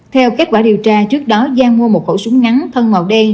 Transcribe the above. theo kết quả điều tra trước đó giang mua một khẩu súng ngắn thân màu đen